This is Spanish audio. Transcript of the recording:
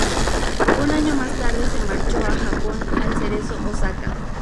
Un año más tarde se marchó a Japón al Cerezo Osaka.